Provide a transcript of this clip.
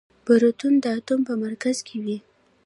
پروتون د اتوم په مرکز کې وي.